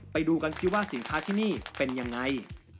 ไปดูกันสิว่าสินค้าที่นี่เป็นยังไง